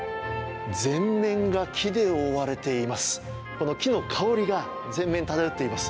全面が木で覆われています。